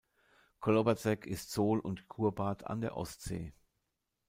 Kołobrzeg ist Sol- und Kurbad an der Ostsee.